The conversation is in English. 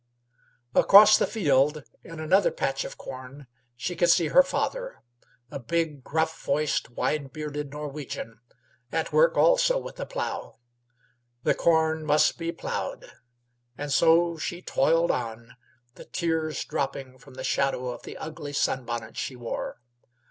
Across the field, in another patch of corn, she could see her father a big, gruff voiced, wide bearded Norwegian at work also with a plough. The corn must be ploughed, and so she toiled on, the tears dropping from the shadow of the ugly sun bonnet she wore.